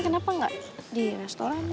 kenapa gak di restoran gitu